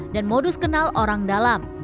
dan modus kenal orang dalam